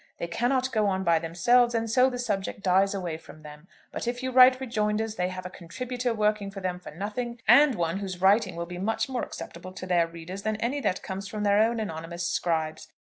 They cannot go on by themselves, and so the subject dies away from them; but if you write rejoinders they have a contributor working for them for nothing, and one whose writing will be much more acceptable to their readers than any that comes from their own anonymous scribes.